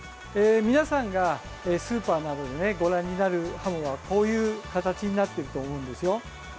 皆さんがスーパーなどでご覧になるハモはこういう形になっていると思うんですよ。